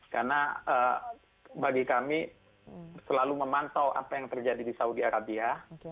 karena bagi kami selalu memantau apa yang terjadi di saudi arabia